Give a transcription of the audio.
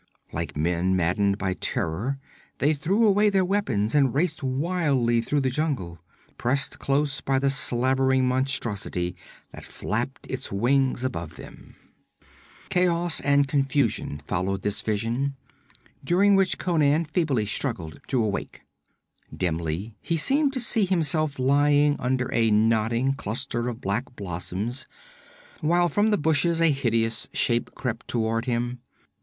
Like men maddened by terror, they threw away their weapons and raced wildly through the jungle, pressed close by the slavering monstrosity that flapped its wings above them. Chaos and confusion followed this vision, during which Conan feebly struggled to awake. Dimly he seemed to see himself lying under a nodding cluster of black blossoms, while from the bushes a hideous shape crept toward him.